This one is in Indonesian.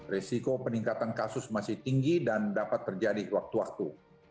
resiko peningkatan kasus masih tinggi dan dapat terjadi waktu waktu